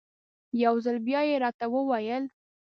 یو ځل بیا یې راته وویل.